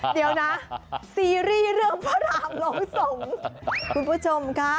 เดี๋ยวนะซีรีส์เรื่องพระรามลงสงฆ์คุณผู้ชมค่ะ